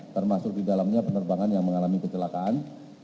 termasuk di dalamnya penerbangan yang mengalami kecelakaan